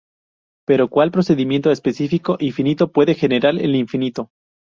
Pero cual procedimiento específico y finito puede generar el infinito?